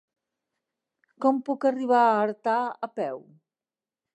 Com puc arribar a Artà a peu?